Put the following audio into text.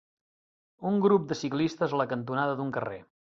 Un grup de ciclistes a la cantonada d'un carrer.